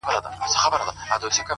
• ما هابيل دئ په قابيل باندي وژلى ,